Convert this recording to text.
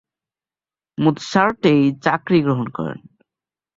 Mozart এই চাকরি গ্রহণ করেন।